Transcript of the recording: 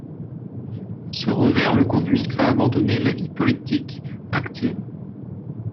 Ce revers le conduit à abandonner la vie politique active.